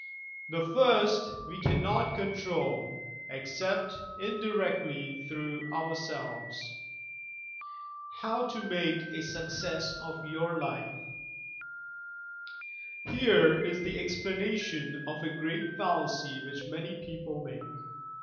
The first we cannot control, except indirectly through ourselves. HOW TO HAKE A SUCCESS OP TOUR LIFE Here is the explanation of a great fallacy which many people make.